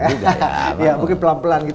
ya mungkin pelan pelan gitu